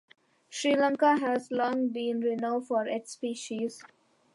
Sri Lanka has long been renowned for its spices.